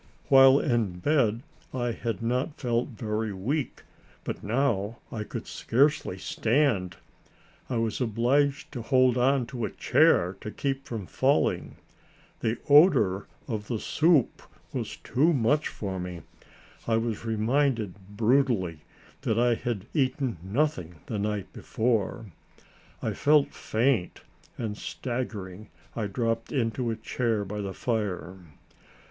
While in bed I had not felt very weak, but now I could scarcely stand; I was obliged to hold on to a chair to keep from falling. The odor of the soup was too much for me. I was reminded brutally that I had eaten nothing the night before. I felt faint, and staggering, I dropped into a chair by the fire.